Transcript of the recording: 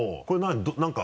これ何？